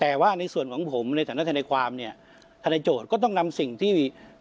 แต่ว่าในส่วนของผมในฐานะทนายความเนี่ยทนายโจทย์ก็ต้องนำสิ่งที่